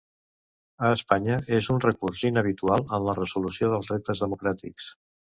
A Espanya és un recurs inhabitual en la resolució dels reptes democràtics